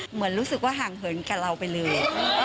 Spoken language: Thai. เหมือนรู้สึกว่าห่างเหินกับเราไปเลย